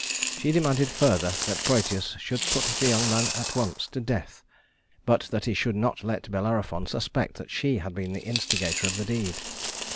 She demanded further that Prœtus should put the young man at once to death, but that he should not let Bellerophon suspect that she had been the instigator of the deed.